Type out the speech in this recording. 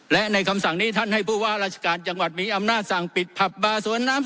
และในคำสั่งนี้ท่านให้ผู้ว่าราชการจังหวัดมีอำนาจสั่งปิดผับบาสวนน้ำ